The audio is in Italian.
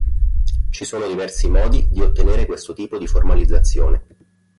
Ci sono diversi modi di ottenere questo tipo di formalizzazione.